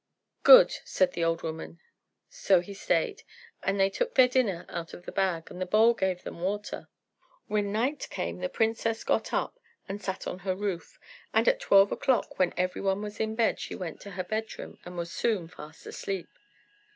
"Good," said the old woman. So he stayed, and they took their dinner out of the bag, and the bowl gave them water. When night came the princess got up and sat on her roof, and at twelve o'clock, when every one was in bed, she went to her bed room, and was soon fast asleep.